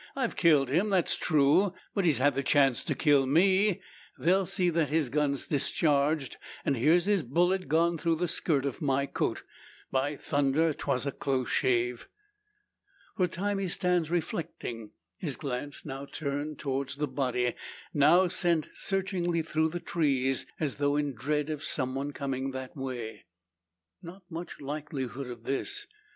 I've killed him; that's true; but he's had the chance to kill me. They'll see that his gun's discharged; and here's his bullet gone through the skirt of my coat. By thunder, 'twas a close shave!" For a time he stands reflecting his glance now turned towards the body, now sent searchingly through the trees, as though in dread of some one coming that way. Not much likelihood of this.